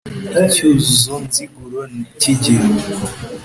icyuzuzo nziguro k'igihe